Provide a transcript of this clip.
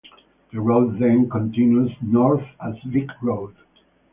The road then continues north as Vick Road.